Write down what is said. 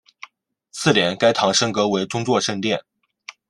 次年该堂升格为宗座圣殿。